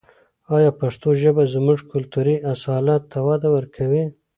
آیا پښتو ژبه زموږ کلتوري اصالت ته وده ورکوي؟